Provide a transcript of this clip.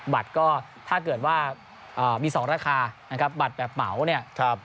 บัตรก็ถ้าเกิดว่ามี๒ราคานะครับบัตรแบบเหมาเนี่ย